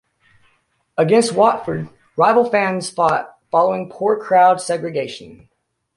Against Watford, rival fans fought following poor crowd segregation.